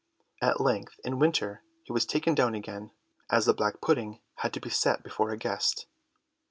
At length in winter he was taken down again, as the black pudding had to be set before a guest.